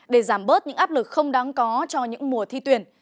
để giảm bớt những áp lực không đáng có cho những mùa thi tuyển